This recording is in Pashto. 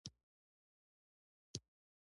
د دې څپرکي ليکل مې خلاص کړي وو.